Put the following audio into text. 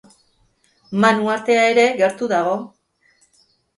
Man uhartea ere gertu dago.